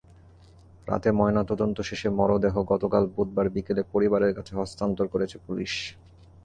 রাতে ময়নাতদন্ত শেষে মরদেহ গতকাল বুধবার বিকেলে পরিবারের কাছে হস্তান্তর করেছে পুলিশ।